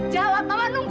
jawab mama nunggu